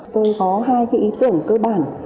tôi có hai cái ý tưởng cơ bản